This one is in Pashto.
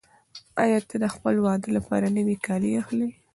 آیا ته د خپل واده لپاره نوي کالي اخلې؟